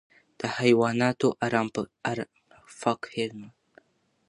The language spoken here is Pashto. د حیواناتو ارام ته پام کول پکار دي.